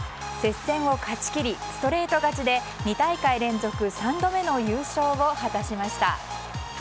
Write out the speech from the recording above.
接戦を勝ち切りストレート勝ちで２大会連続３度目の優勝を果たしました。